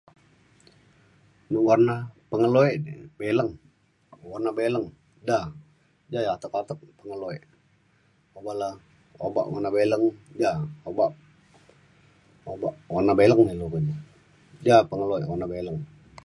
nu warna pengeluk ek ne beleng warna beleng da da atek atek pengeluk ek oban le obak warna baleng ja obak obak warna baleng ne ilu keja ja pengeluk ek warna beleng